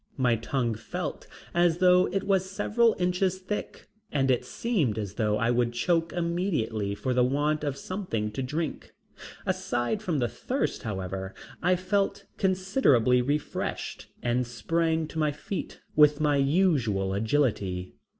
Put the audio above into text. My tongue felt as though it was several inches thick and it seemed as though I would choke immediately for the want of something to drink. Aside from the thirst, however, I felt considerably refreshed and sprang to my feet with my usual agility.